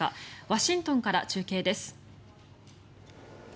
ワシントンから中継です。